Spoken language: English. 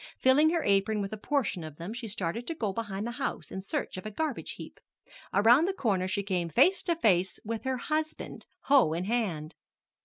Filling her apron with a portion of them, she started to go behind the house in search of a garbage heap. Around the corner she came face to face with her husband, hoe in hand.